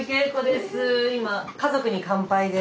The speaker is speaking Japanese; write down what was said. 今「家族に乾杯」で。